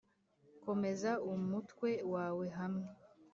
komeza umutwe wawe hamwe